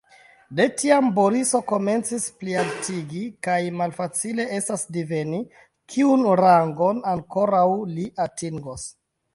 De tiam Boriso komencis plialtiĝi, kaj malfacile estas diveni, kiun rangon ankoraŭ li atingos.